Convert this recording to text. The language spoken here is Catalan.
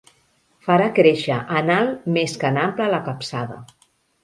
Farà créixer en alt més que en ample la capçada.